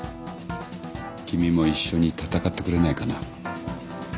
君も一緒に戦ってくれないかな。